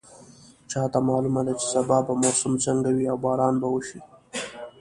چا ته معلومه ده چې سبا به موسم څنګه وي او باران به وشي